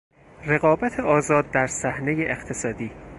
رقابت آزاد در صحنهی اقتصادی